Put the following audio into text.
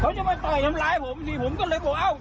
เขาจะมาต่อยทำร้ายผมผมก็เลยบอกอ้าวเดี๋ยวเข้ามานะ